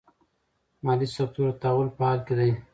مالي سکتور د تحول په حال کې دی.